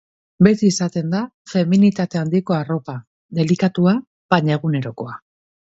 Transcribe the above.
Beti izaten da feminitate handiko arropa, delikatua baina egunerokoa.